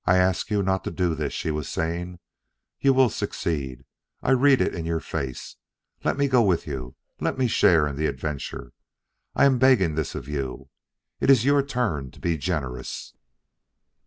"I ask you not to do this," she was saying. "You will succeed; I read it in your face. Let me go with you; let me share in the adventure. I am begging this of you. It is your turn to be generous."